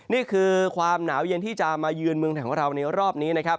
นี่คือความหนาวเย็นที่จะมาเยือนเมืองไทยของเราในรอบนี้นะครับ